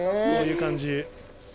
こういう感じ。